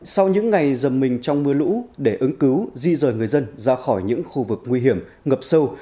sau những ngày dầm mình trong mưa lũ để ứng cứu di rời người dân ra khỏi những khu vực nguy hiểm ngập sâu